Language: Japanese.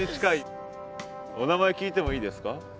お名前聞いてもいいですか？